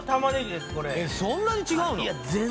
そんなに違うの？